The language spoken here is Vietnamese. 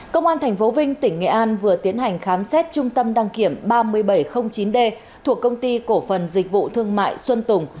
công an tp vnh vừa tiến hành khám xét trung tâm đăng kiểm ba nghìn bảy trăm linh chín d thuộc công ty cổ phần dịch vụ thương mại xuân tùng